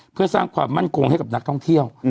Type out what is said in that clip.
เพื่อสร้างความมั่นคงให้กับนักท่องเที่ยว